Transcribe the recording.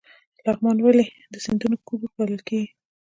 لغمان ولې د سیندونو کور بلل کیږي؟